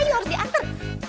ayo harus dianter